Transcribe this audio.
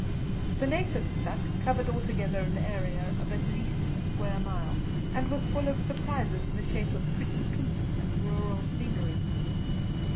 The native stadt covered altogether an area of at least a square mile, and was full of surprises in the shape of pretty peeps and rural scenery.